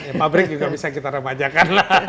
ya pabrik juga bisa kita remajakan lah